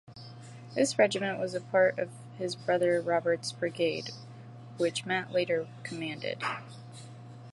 This regiment was part of his brother Robert's brigade, which Matt later commanded.